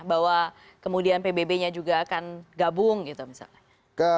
bahwa kemudian pbb nya juga akan gabung gitu misalnya